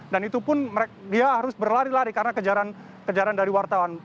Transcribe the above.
dan itu pun dia harus berlari lari karena kejaran dari wartawan